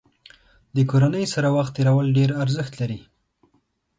د کورنۍ سره وخت تېرول ډېر ارزښت لري.